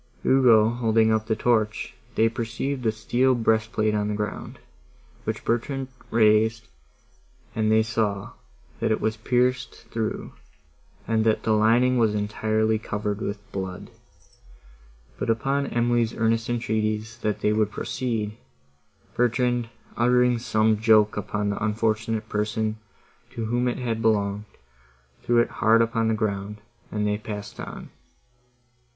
Ugo holding up the torch, they perceived a steel breastplate on the ground, which Bertrand raised, and they saw, that it was pierced through, and that the lining was entirely covered with blood; but upon Emily's earnest entreaties that they would proceed, Bertrand, uttering some joke upon the unfortunate person, to whom it had belonged, threw it hard upon the ground, and they passed on.